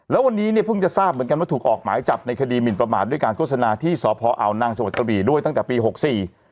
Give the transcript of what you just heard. แล้ววันนี้เนี่ยเพิ่งจะทราบเหมือนกันว่าถูกออกหมายจับในคดีหมินประมาทด้วยการโฆษณาที่สพอาวนางจังหวัดกระบี่ด้วยตั้งแต่ปีหกสี่